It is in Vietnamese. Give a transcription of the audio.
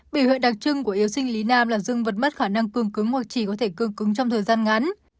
biểu hội đặc trưng của yếu sinh lý nam là dương vật mất khả năng cương cứng hoặc chỉ có thể cương cứng trong thời gian ngắn